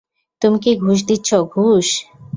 তুমি কি ঘুষ দিচ্ছ ঘুষ?